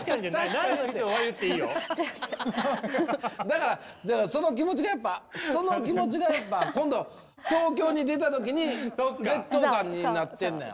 だからその気持ちがやっぱその気持ちがやっぱ今度東京に出た時に劣等感になってんのやわ。